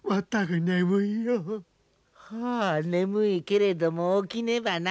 はあ眠いけれども起きねばならぬ。